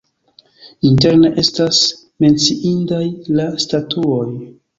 Interne estas menciindaj la statuoj.